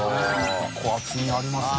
結構厚みありますね。